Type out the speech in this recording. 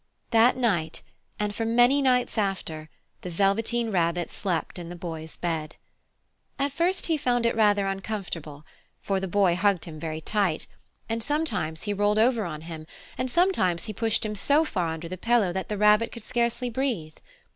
That night, and for many nights after, the Velveteen Rabbit slept in the Boy's bed. At first he found it rather uncomfortable, for the Boy hugged him very tight, and sometimes he rolled over on him, and sometimes he pushed him so far under the pillow that the Rabbit could scarcely breathe.